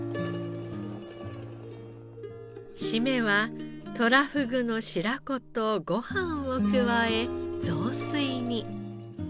締めはとらふぐの白子とご飯を加え雑炊に。